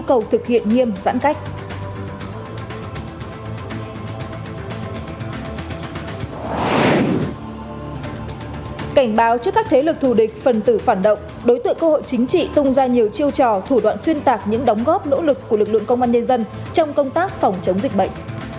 cảnh báo cho các thế lực thù địch phần tử phản động đối tượng cơ hội chính trị tung ra nhiều chiêu trò thủ đoạn xuyên tạc những đóng góp nỗ lực của lực lượng công an nhân dân trong công tác phòng chống dịch bệnh